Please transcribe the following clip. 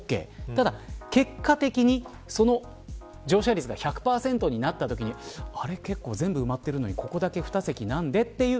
ただ、結果的に乗車率が１００％になったときに結構全部埋まってるのにここだけ２席、なんでという。